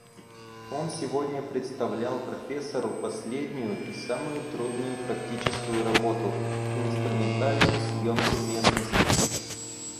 Он сегодня представлял профессору последнюю и самую трудную практическую работу — инструментальную съемку местности...